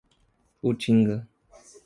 Utinga